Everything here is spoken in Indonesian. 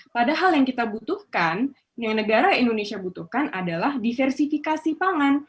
padahal yang kita butuhkan yang negara indonesia butuhkan adalah diversifikasi pangan